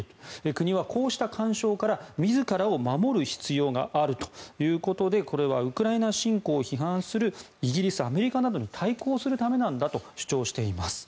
国はこうした干渉から自らを守る必要があるということでこれはウクライナ侵攻を批判するイギリス、アメリカなどに対抗するためなんだと主張しています。